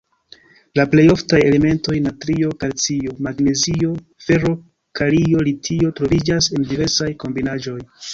La plej oftaj elementoj natrio, kalcio, magnezio, fero, kalio, litio troviĝas en diversaj kombinaĵoj.